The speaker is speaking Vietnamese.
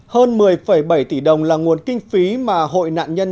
hơn một mươi bảy tỷ đồng là nguồn kinh phí mà hội nạn nhân